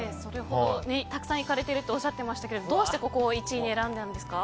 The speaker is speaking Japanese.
たくさん行かれているとおっしゃっていましたけどどうしてここを１位に選んだんですか？